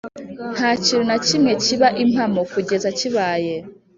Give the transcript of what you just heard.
ntakintu na kimwe kiba impamo kugeza kibaye